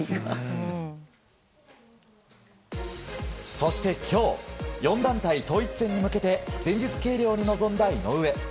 そして今日４団体統一戦に向けて前日計量に臨んだ井上。